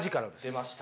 出ました。